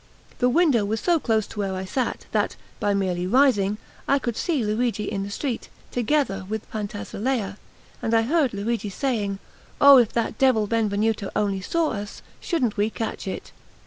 The window was so close to where I sat, that, by merely rising, I could see Luigi in the street, together with Pantasilea; and I heard Luigi saying: "Oh, if that devil Benvenuto only saw us, shouldn't we just catch it!"